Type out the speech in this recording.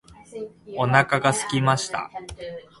お腹が空きました。